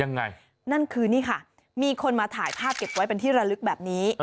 นั่นคือนี่ค่ะมีคนมาถ่ายภาพเก็บไว้เป็นที่ระลึกแบบนี้